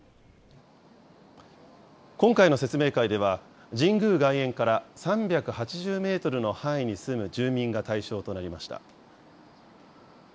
今回の説明会では、神宮外苑から３８０メートルの範囲に住む住民が対象となりました。